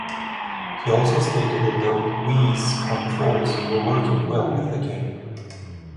He also stated that the Wii's controls were "working well" with the game.